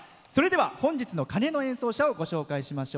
本日の鐘の演奏者をご紹介しましょう。